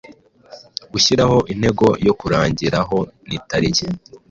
guhyiraho intego yo kurangirirahonitariki,